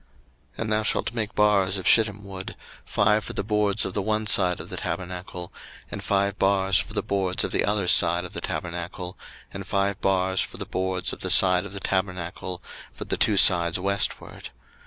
02:026:026 And thou shalt make bars of shittim wood; five for the boards of the one side of the tabernacle, 02:026:027 And five bars for the boards of the other side of the tabernacle, and five bars for the boards of the side of the tabernacle, for the two sides westward.